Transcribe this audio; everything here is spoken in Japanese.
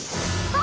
あ！